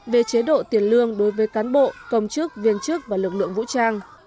về chế độ tiền lương đối với cán bộ công chức viên chức và lực lượng vũ trang